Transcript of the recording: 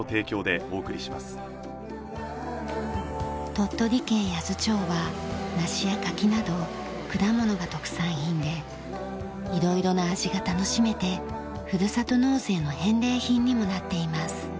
鳥取県八頭町は梨や柿など果物が特産品で色々な味が楽しめてふるさと納税の返礼品にもなっています。